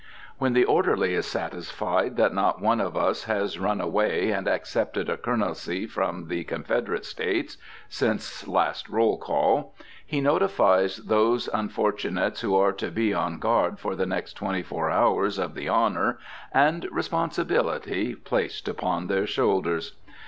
When the orderly is satisfied that not one of us has run away and accepted a Colonelcy from the Confederate States since last roll call, he notifies those unfortunates who are to be on guard for the next twenty four hours of the honor and responsibility placed upon their shoulders.